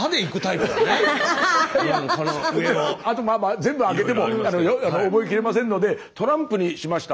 あと全部開けても覚えきれませんのでトランプにしました。